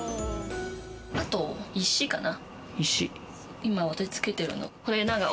あと石かな。